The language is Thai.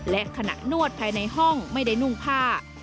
และขณะนวดภายในห้องไม่ได้นุ่งผ้า